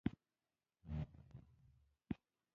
څوک يې نا بلده مسافر پر کرښه اړوي.